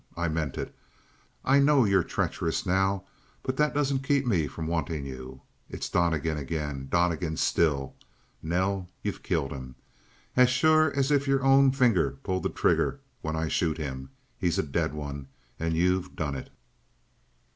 I meant it. I know you're treacherous now; but that doesn't keep me from wanting you. It's Donnegan again Donnegan still? Nell, you've killed him. As sure as if your own finger pulled the trigger when I shoot him. He's a dead one, and you've done it!"